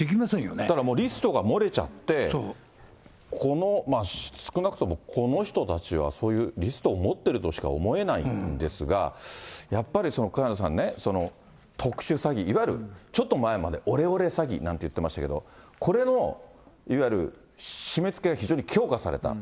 だからリストが漏れちゃって、この少なくとも、この人たちは、そういうリストを持ってるとしか思えないんですが、やっぱり萱野さんね、特殊詐欺、いわゆるちょっと前までオレオレ詐欺なんて言ってましたけど、これのいわゆる締めつけが非常に強化された。